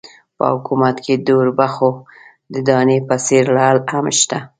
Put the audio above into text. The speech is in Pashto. په حکومت کې د اوربشو د دانې په څېر لعل هم شته.